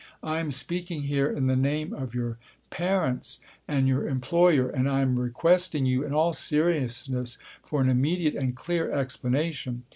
I am speaking here in the name of your parents and your employer, and I am requesting you in all seriousness for an immediate and clear explanation.